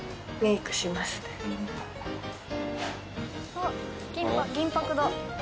あっ銀箔だ。